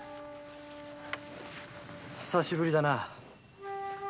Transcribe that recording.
久しぶりだなぁ。